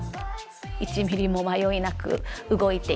１ミリも迷いなく動いていって。